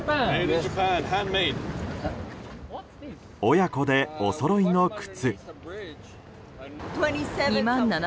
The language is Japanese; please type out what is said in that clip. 親子でおそろいの靴。